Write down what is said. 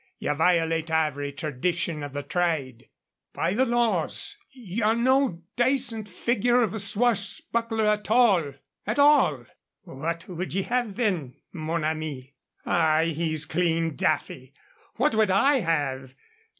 Ye violate every tradition of the thrade. By the laws, ye're no dacent figure of a swashbuckler at all at all." "What would ye have then, mon ami?" "Ah, he's clean daffy! What would I have?